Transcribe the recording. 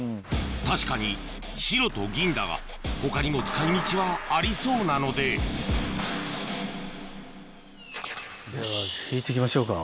確かに白と銀だが他にも使い道はありそうなので敷いて行きましょうか。